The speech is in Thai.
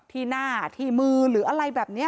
ที่หน้าที่มือหรืออะไรแบบนี้